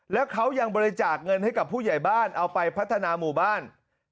แล้วเขายังบริจาคเงินให้กับผู้ใหญ่บ้านเอาไปพัฒนาหมู่บ้าน